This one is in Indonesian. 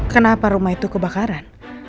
kenapa rumah itu kebakaran